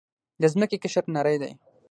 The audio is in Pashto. د ځمکې قشر نری دی.